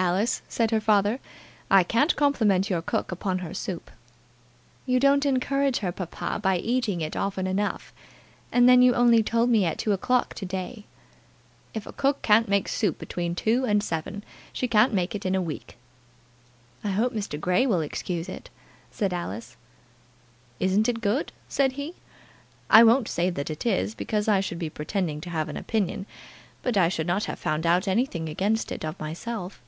"Alice," said her father, "I can't compliment your cook upon her soup." "You don't encourage her, papa, by eating it often enough. And then you only told me at two o'clock to day." "If a cook can't make soup between two and seven, she can't make it in a week." "I hope Mr. Grey will excuse it," said Alice. "Isn't it good?" said he. "I won't say that it is, because I should be pretending to have an opinion; but I should not have found out anything against it of myself."